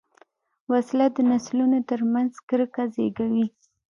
وسله د نسلونو تر منځ کرکه زېږوي